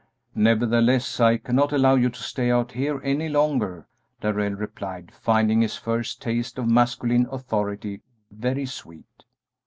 "Nevertheless, I cannot allow you to stay out here any longer," Darrell replied, finding his first taste of masculine authority very sweet.